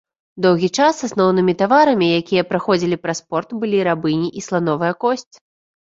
Доўгі час асноўнымі таварамі, якія праходзілі праз порт, былі рабыні і слановая косць.